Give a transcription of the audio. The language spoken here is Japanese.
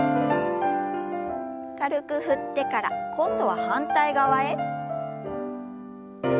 軽く振ってから今度は反対側へ。